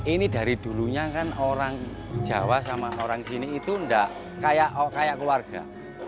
ini dari dulunya kan orang jawa sama orang sini itu enggak kayak keluarga